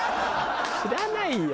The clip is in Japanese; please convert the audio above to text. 知らないよ。